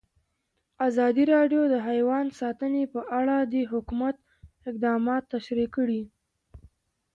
ازادي راډیو د حیوان ساتنه په اړه د حکومت اقدامات تشریح کړي.